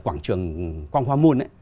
quảng trường gwanghwamun ấy